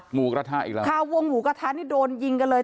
หมูกระทะอีกแล้วคาวงหมูกระทะนี่โดนยิงกันเลย